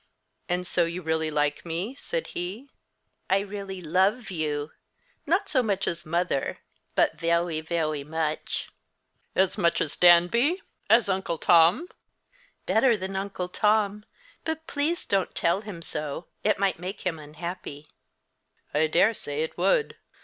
"And so you really like me?" said he. "I really love you; not so much as mother, but veway, veway much." "As much as Danby as Uncle Tom?" "Better than Uncle Tom! but please don't tell him so. It might make him unhappy." "I dare say it would.